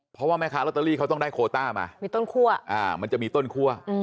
เพราะว่าแม่ค้าลอตเตอรี่เขาต้องได้โคต้ามามีต้นคั่วมันจะมีต้นคั่ว